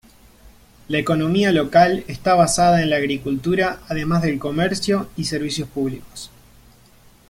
La economía local está basada en la agricultura, además del comercio y servicios públicos.